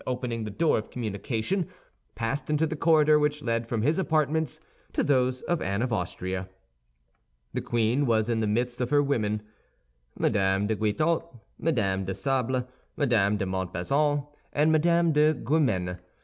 opening the door of communication, passed into the corridor which led from his apartments to those of Anne of Austria. The queen was in the midst of her women—Mme. de Guitaut, Mme. de Sable, Mme. de Montbazon, and Mme. de Guémené.